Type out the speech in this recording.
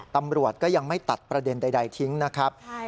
ตำรวจก็ยังไม่ตัดประเด็นใดทิ้งนะครับ